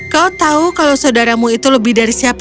kau tahu kalau saudaramu itu lebih dari siapa